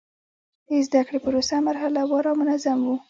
د زده کړې پروسه مرحله وار او منظم و.